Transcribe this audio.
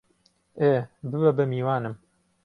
ئێ، ببە بە میوانم!